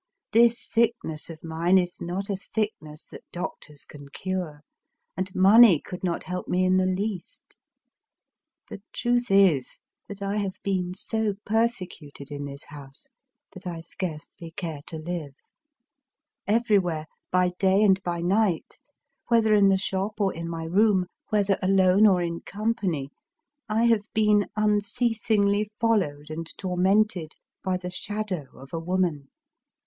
This sickness of mine is not a sickness that doctors can cure ; and money could not help me in the least. The truth is, that I have been so persecuted in this house that I scarcely care to live. Everywhere — by day and by night, whether in the shop or in my room, whether alone or in company — I have been unceasingly followed and tormented by the Shadow of a woman.